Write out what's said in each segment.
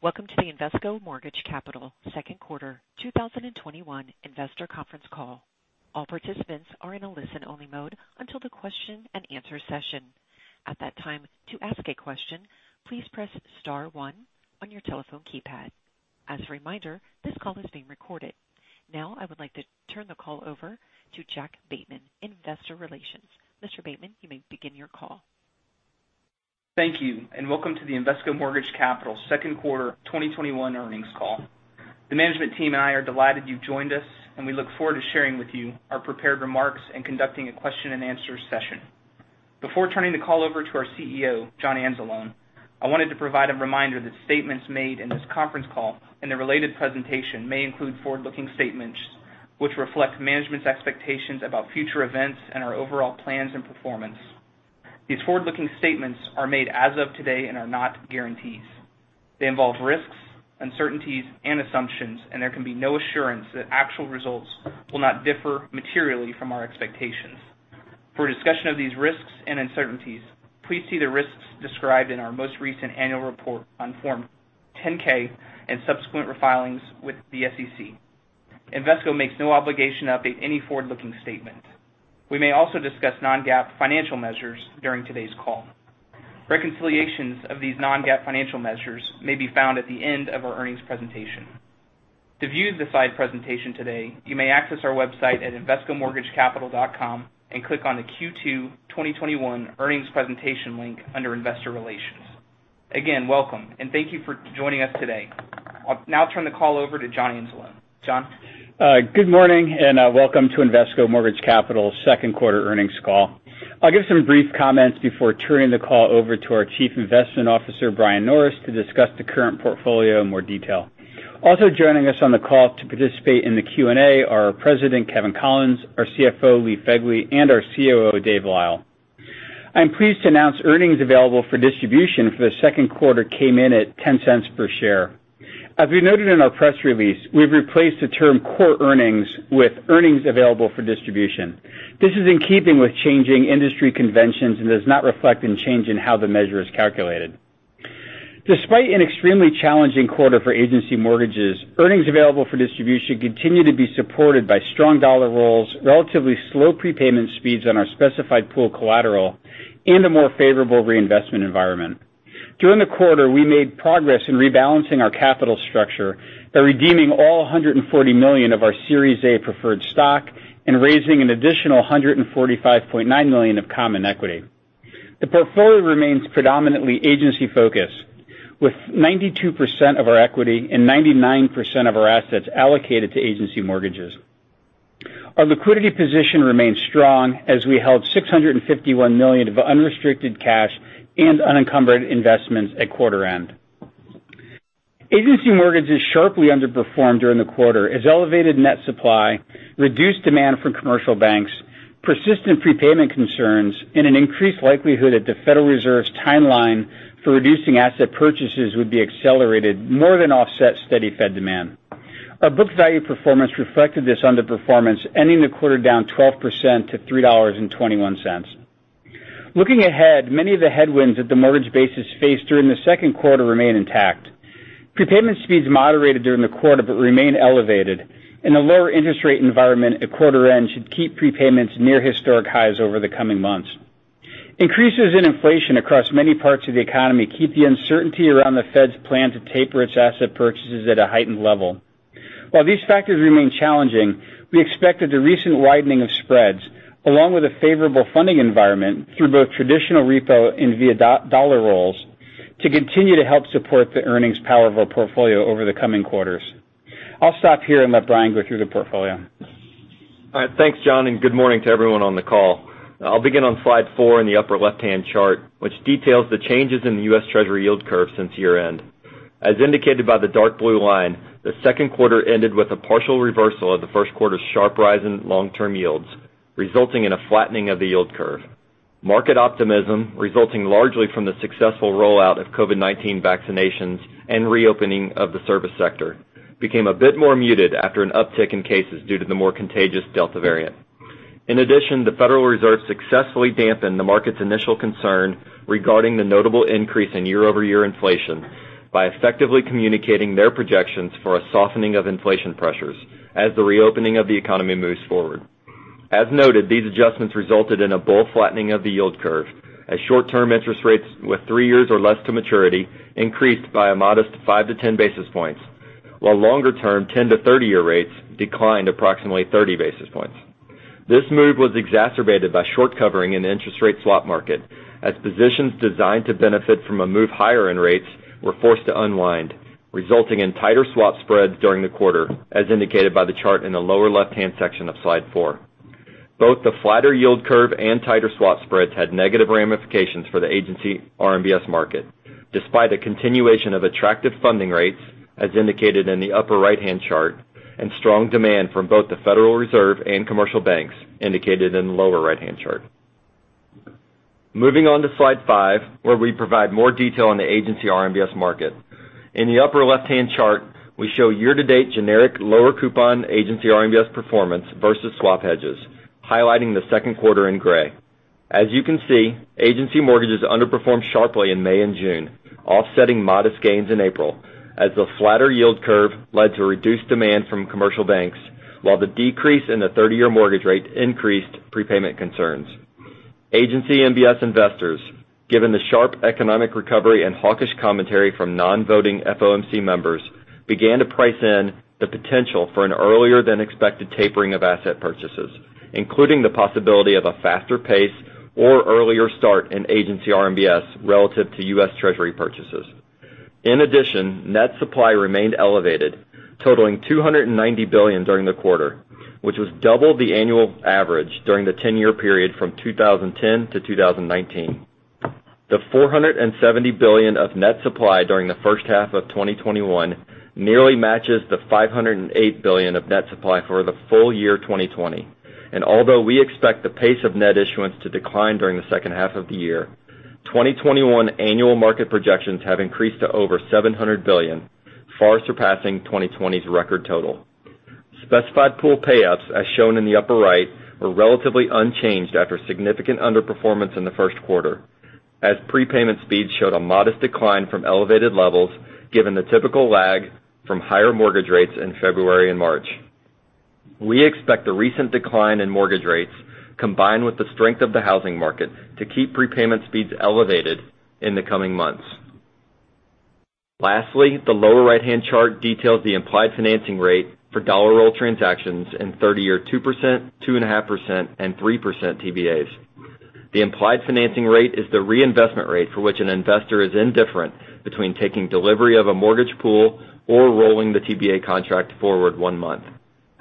Welcome to the Invesco Mortgage Capital second quarter 2021 investor conference call. All participants are in a listen-only mode until the question and answer session. At that time, to ask a question, please press star one on your telephone keypad. As a reminder, this call is being recorded. Now I would like to turn the call over to Jack Bateman, investor relations. Mr. Bateman, you may begin your call. Thank you. Welcome to the Invesco Mortgage Capital second quarter 2021 earnings call. The management team and I are delighted you've joined us, and we look forward to sharing with you our prepared remarks and conducting a question and answer session. Before turning the call over to our CEO, John Anzalone, I wanted to provide a reminder that statements made in this conference call and the related presentation may include forward-looking statements, which reflect management's expectations about future events and our overall plans and performance. These forward-looking statements are made as of today and are not guarantees. They involve risks, uncertainties and assumptions, and there can be no assurance that actual results will not differ materially from our expectations. For a discussion of these risks and uncertainties, please see the risks described in our most recent annual report on form 10-K and subsequent filings with the SEC. Invesco makes no obligation to update any forward-looking statement. We may also discuss non-GAAP financial measures during today's call. Reconciliations of these non-GAAP financial measures may be found at the end of our earnings presentation. To view the slide presentation today, you may access our website at invescomortgagecapital.com and click on the Q2 2021 earnings presentation link under investor relations. Welcome, and thank you for joining us today. I'll now turn the call over to John Anzalone. John? Good morning, welcome to Invesco Mortgage Capital second quarter earnings call. I'll give some brief comments before turning the call over to our Chief Investment Officer, Brian Norris, to discuss the current portfolio in more detail. Joining us on the Q&A are our President, Kevin Collins, our CFO, Lee Fegley, our COO, David Lyle. I'm pleased to announce earnings available for distribution for the second quarter came in at $0.10 per share. As we noted in our press release, we've replaced the term core earnings with earnings available for distribution. This is in keeping with changing industry conventions, does not reflect any change in how the measure is calculated. Despite an extremely challenging quarter for agency mortgages, earnings available for distribution continue to be supported by strong dollar rolls, relatively slow prepayment speeds on our specified pool collateral, and a more favorable reinvestment environment. During the quarter, we made progress in rebalancing our capital structure by redeeming all $140 million of our Series A preferred stock and raising an additional $145.9 million of common equity. The portfolio remains predominantly agency-focused, with 92% of our equity and 99% of our assets allocated to agency mortgages. Our liquidity position remains strong as we held $651 million of unrestricted cash and unencumbered investments at quarter end. Agency mortgages sharply underperformed during the quarter as elevated net supply, reduced demand from commercial banks, persistent prepayment concerns, and an increased likelihood that the Federal Reserve's timeline for reducing asset purchases would be accelerated more than offset steady Fed demand. Our book value performance reflected this underperformance, ending the quarter down 12% to $3.21. Looking ahead, many of the headwinds that the mortgage bass faced during the second quarter remain intact. Prepayment speeds moderated during the quarter but remain elevated, and a lower interest rate environment at quarter end should keep prepayments near historic highs over the coming months. Increases in inflation across many parts of the economy keep the uncertainty around the Fed's plan to taper its asset purchases at a heightened level. While these factors remain challenging, we expect that the recent widening of spreads, along with a favorable funding environment through both traditional repo and via dollar rolls, to continue to help support the earnings power of our portfolio over the coming quarters. I'll stop here and let Brian go through the portfolio. All right. Thanks, John, and good morning to everyone on the call. I'll begin on slide four in the upper left-hand chart, which details the changes in the U.S. Treasury yield curve since year-end. As indicated by the dark blue line, the second quarter ended with a partial reversal of the first quarter's sharp rise in long-term yields, resulting in a flattening of the yield curve. Market optimism, resulting largely from the successful rollout of COVID-19 vaccinations and reopening of the service sector, became a bit more muted after an uptick in cases due to the more contagious Delta variant. In addition, the Federal Reserve successfully dampened the market's initial concern regarding the notable increase in year-over-year inflation by effectively communicating their projections for a softening of inflation pressures as the reopening of the economy moves forward. As noted, these adjustments resulted in a bull flattening of the yield curve as short-term interest rates with three years or less to maturity increased by a modest five to 10 basis points, while longer-term 10 to 30-year rates declined approximately 30 basis points. This move was exacerbated by short covering in the interest rate swap market as positions designed to benefit from a move higher in rates were forced to unwind, resulting in tighter swap spreads during the quarter, as indicated by the chart in the lower left-hand section of slide four. Both the flatter yield curve and tighter swap spreads had negative ramifications for the Agency RMBS market, despite a continuation of attractive funding rates, as indicated in the upper right-hand chart, and strong demand from both the Federal Reserve and commercial banks, indicated in the lower right-hand chart. Moving on to slide five, where we provide more detail on the Agency RMBS market. In the upper left-hand chart, we show year-to-date generic lower coupon Agency RMBS performance versus swap hedges. Highlighting the second quarter in gray. As you can see, agency mortgages underperformed sharply in May and June, offsetting modest gains in April, as the flatter yield curve led to reduced demand from commercial banks, while the decrease in the 30-year mortgage rate increased prepayment concerns. Agency MBS investors, given the sharp economic recovery and hawkish commentary from non-voting FOMC members, began to price in the potential for an earlier than expected tapering of asset purchases, including the possibility of a faster pace or earlier start in Agency RMBS relative to U.S. Treasury purchases. In addition, net supply remained elevated, totaling $290 billion during the quarter, which was double the annual average during the 10-year period from 2010 to 2019. The $470 billion of net supply during the first half of 2021 nearly matches the $508 billion of net supply for the full year 2020. Although we expect the pace of net issuance to decline during the second half of the year, 2021 annual market projections have increased to over $700 billion, far surpassing 2020's record total. Specified pool payoffs, as shown in the upper right, were relatively unchanged after significant underperformance in the first quarter, as prepayment speeds showed a modest decline from elevated levels, given the typical lag from higher mortgage rates in February and March. We expect the recent decline in mortgage rates, combined with the strength of the housing market, to keep prepayment speeds elevated in the coming months. Lastly, the lower right-hand chart details the implied financing rate for dollar roll transactions in 30-year 2%, 2.5%, and 3% TBAs. The implied financing rate is the reinvestment rate for which an investor is indifferent between taking delivery of a mortgage pool or rolling the TBA contract forward one month.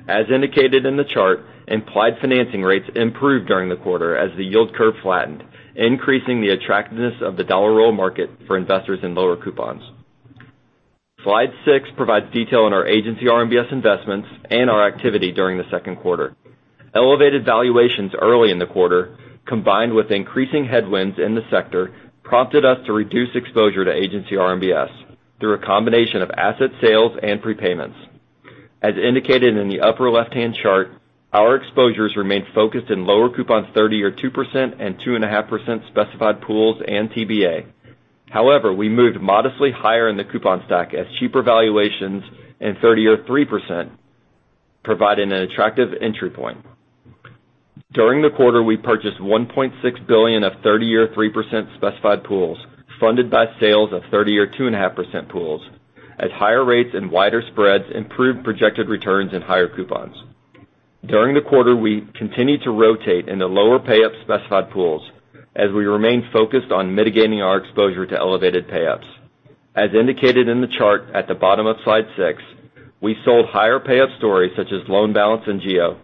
As indicated in the chart, implied financing rates improved during the quarter as the yield curve flattened, increasing the attractiveness of the dollar roll market for investors in lower coupons. Slide six provides detail on our Agency RMBS investments and our activity during the second quarter. Elevated valuations early in the quarter, combined with increasing headwinds in the sector, prompted us to reduce exposure to Agency RMBS through a combination of asset sales and prepayments. As indicated in the upper left-hand chart, our exposures remained focused in lower coupons 30-year 2% and 2.5% specified pools and TBA. However, we moved modestly higher in the coupon stack as cheaper valuations in 30-year 3% provided an attractive entry point. During the quarter, we purchased $1.6 billion of 30-year 3% specified pools, funded by sales of 30-year 2.5% pools, as higher rates and wider spreads improved projected returns in higher coupons. During the quarter, we continued to rotate into lower payoff specified pools, as we remain focused on mitigating our exposure to elevated payoffs. As indicated in the chart at the bottom of slide six, we sold higher payoff stories such as loan balance and GEO,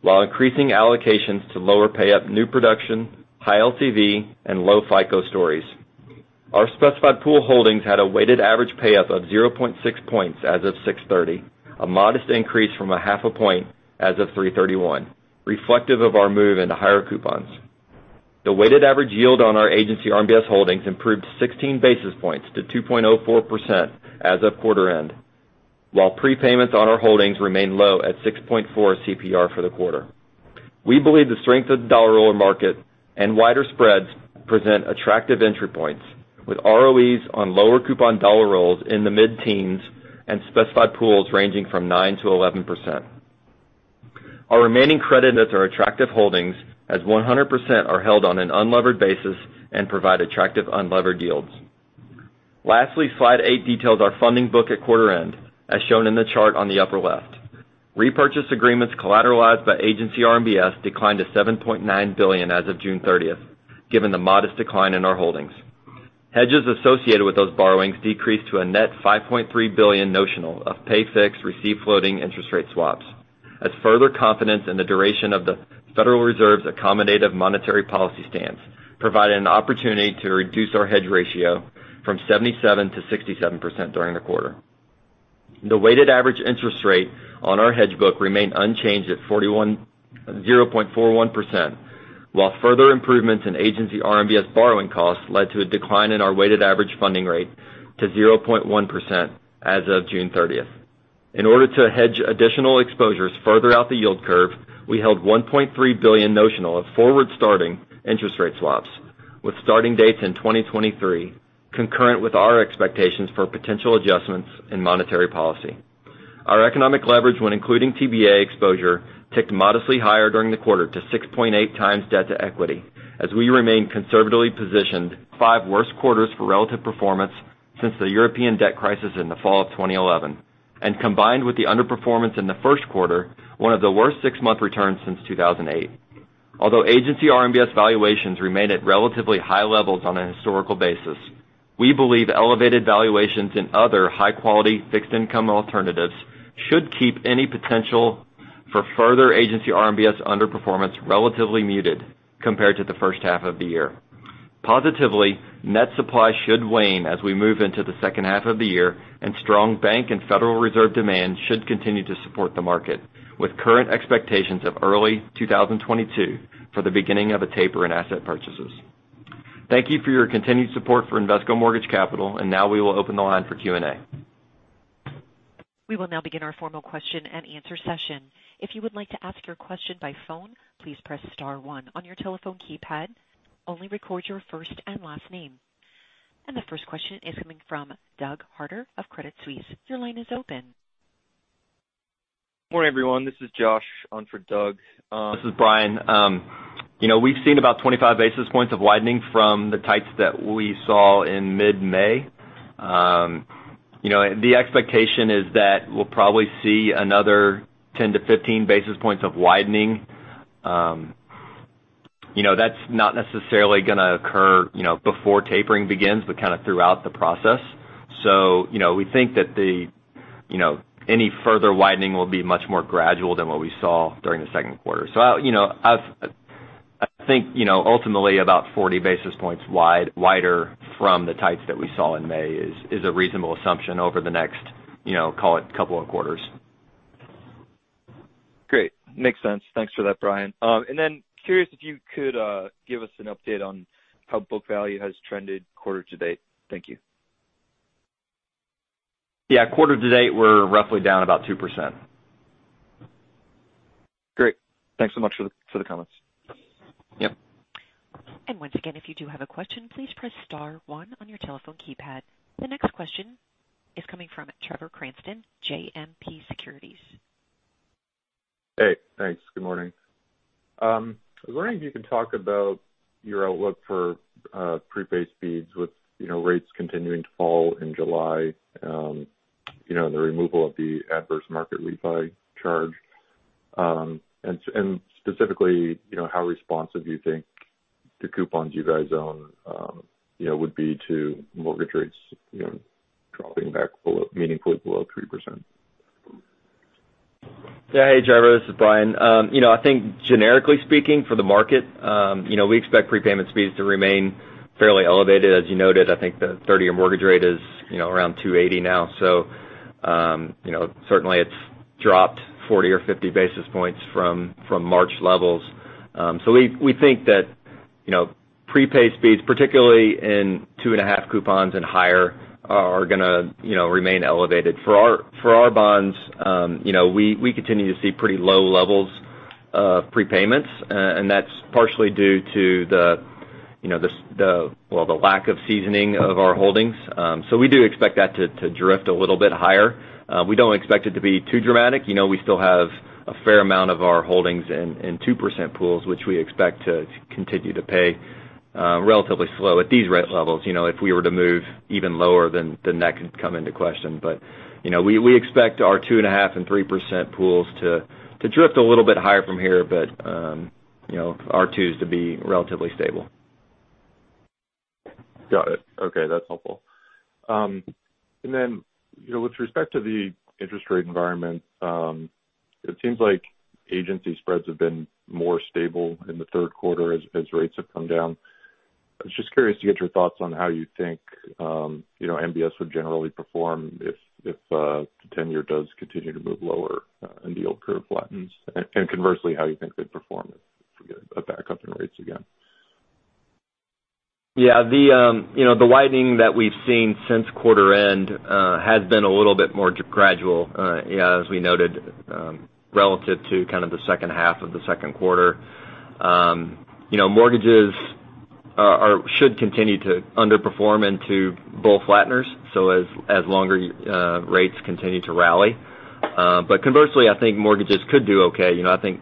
while increasing allocations to lower payoff new production, high LTV, and low FICO stories. Our specified pool holdings had a weighted average payoff of 0.6 points as of 6/30, a modest increase from a half a point as of 3/31, reflective of our move into higher coupons. The weighted average yield on our Agency RMBS holdings improved 16 basis points to 2.04% as of quarter end, while prepayments on our holdings remained low at 6.4 CPR for the quarter. We believe the strength of the dollar roll market and wider spreads present attractive entry points, with ROEs on lower coupon dollar rolls in the mid-teens and specified pools ranging from 9%-11%. Our remaining credit assets are attractive holdings, as 100% are held on an unlevered basis and provide attractive unlevered yields. Lastly, slide eight details our funding book at quarter end, as shown in the chart on the upper left. Repurchase agreements collateralized by Agency RMBS declined to $7.9 billion as of June 30th, given the modest decline in our holdings. Hedges associated with those borrowings decreased to a net $5.3 billion notional of pay fix, receive floating interest rate swaps, as further confidence in the duration of the Federal Reserve's accommodative monetary policy stance provided an opportunity to reduce our hedge ratio from 77%-67% during the quarter. The weighted average interest rate on our hedge book remained unchanged at 0.41%, while further improvements in Agency RMBS borrowing costs led to a decline in our weighted average funding rate to 0.1% as of June 30th. In order to hedge additional exposures further out the yield curve, we held $1.3 billion notional of forward-starting interest rate swaps, with starting dates in 2023, concurrent with our expectations for potential adjustments in monetary policy. Our economic leverage when including TBA exposure ticked modestly higher during the quarter to 6.8 times debt to equity, as we remain conservatively positioned. Five worst quarters for relative performance since the European debt crisis in the fall of 2011. Combined with the underperformance in the 1st quarter, one of the worst six-month returns since 2008. Although Agency RMBS valuations remain at relatively high levels on a historical basis, we believe elevated valuations in other high-quality fixed income alternatives should keep any potential for further Agency RMBS underperformance relatively muted compared to the first half of the year. Positively, net supply should wane as we move into the second half of the year, and strong bank and Federal Reserve demand should continue to support the market, with current expectations of early 2022 for the beginning of a taper in asset purchases. Thank you for your continued support for Invesco Mortgage Capital. Now we will open the line for Q&A. The first question is coming from Doug Harter of Credit Suisse. Morning, everyone. This is Josh on for Doug. This is Brian. We've seen about 25 basis points of widening from the tights that we saw in mid-May. The expectation is that we'll probably see another 10-15 basis points of widening. That's not necessarily going to occur before tapering begins, but kind of throughout the process. We think that any further widening will be much more gradual than what we saw during the second quarter. I think ultimately about 40 basis points wider from the tights that we saw in May is a reasonable assumption over the next, call it, couple of quarters. Great. Makes sense. Thanks for that, Brian. Curious if you could give us an update on how book value has trended quarter to date. Thank you. Yeah. Quarter to date, we're roughly down about 2%. Great. Thanks so much for the comments. Yep. Once again, if you do have a question, please press star one on your telephone keypad. The next question is coming from Trevor Cranston, JMP Securities. Hey, thanks. Good morning. I was wondering if you can talk about your outlook for prepay speeds with rates continuing to fall in July, the removal of the Adverse Market Refinance Fee, and specifically, how responsive you think the coupons you guys own would be to mortgage rates dropping back meaningfully below 3%. Hey, Trevor, this is Brian. I think generically speaking for the market, we expect prepayment speeds to remain fairly elevated. As you noted, I think the 30-year mortgage rate is around 2.80 now. Certainly it's dropped 40 or 50 basis points from March levels. We think that prepayment speeds, particularly in 2.5 coupons and higher, are going to remain elevated. For our bonds, we continue to see pretty low levels of prepayments, and that's partially due to the lack of seasoning of our holdings. We do expect that to drift a little bit higher. We don't expect it to be too dramatic. We still have a fair amount of our holdings in 2% pools, which we expect to continue to pay relatively slow at these rate levels. If we were to move even lower, that could come into question. We expect our 2.5 and 3% pools to drift a little bit higher from here, but our 2s to be relatively stable. Got it. Okay, that's helpful. With respect to the interest rate environment, it seems like Agency spreads have been more stable in the third quarter as rates have come down. I was just curious to get your thoughts on how you think MBS would generally perform if the tenor does continue to move lower and the yield curve flattens. Conversely, how you think they'd perform if we get a back up in rates again. The widening that we've seen since quarter end has been a little bit more gradual, as we noted, relative to kind of the second half of the second quarter. Mortgages should continue to underperform into bull flatteners as longer rates continue to rally. Conversely, I think mortgages could do okay. I think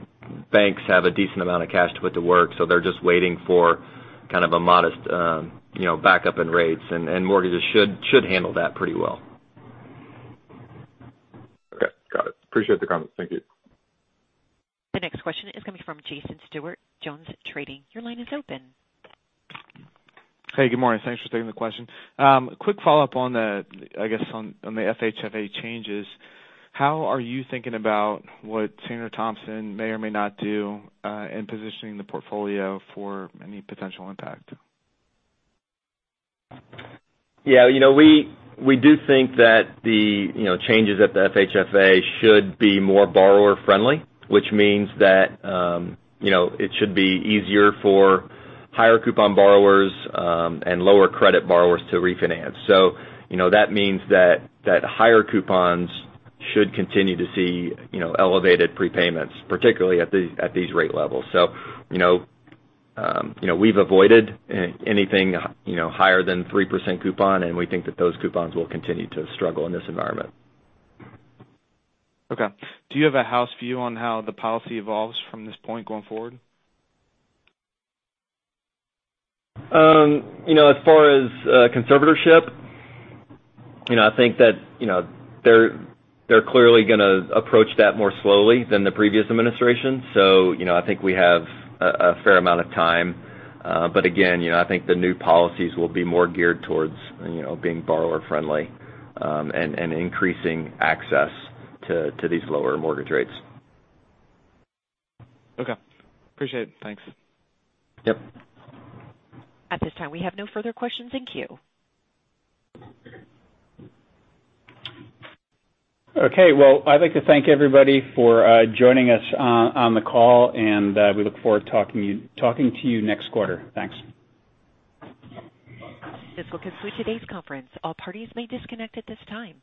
banks have a decent amount of cash to put to work, so they're just waiting for kind of a modest backup in rates, and mortgages should handle that pretty well. Okay. Got it. Appreciate the comment. Thank you. The next question is coming from Jason Stewart, JonesTrading. Your line is open. Hey, good morning. Thanks for taking the question. Quick follow-up on the FHFA changes. How are you thinking about what Sandra Thompson may or may not do in positioning the portfolio for any potential impact? Yeah. We do think that the changes at the FHFA should be more borrower-friendly, which means that it should be easier for higher coupon borrowers and lower credit borrowers to refinance. That means that higher coupons should continue to see elevated prepayments, particularly at these rate levels. We've avoided anything higher than 3% coupon, and we think that those coupons will continue to struggle in this environment. Okay. Do you have a house view on how the policy evolves from this point going forward? As far as conservatorship, I think that they're clearly going to approach that more slowly than the previous administration. I think we have a fair amount of time. Again, I think the new policies will be more geared towards being borrower-friendly and increasing access to these lower mortgage rates. Okay. Appreciate it. Thanks. Yep. At this time, we have no further questions. Thank you. Okay. Well, I'd like to thank everybody for joining us on the call. We look forward to talking to you next quarter. Thanks. This will conclude today's conference. All parties may disconnect at this time.